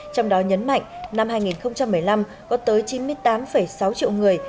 trong đó nhấn mạnh năm hai nghìn một mươi năm có tới chín mươi tám sáu triệu người